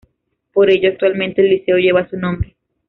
Por ello, actualmente el liceo lleva su nombre.